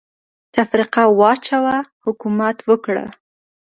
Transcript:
تفرقه واچوه ، حکومت وکړه.